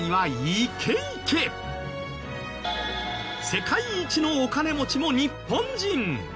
世界一のお金持ちも日本人。